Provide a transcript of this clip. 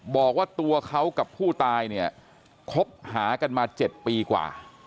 บอกว่าตัวเขากับผู้ตายเนี่ยคบหากันมา๗ปีกว่า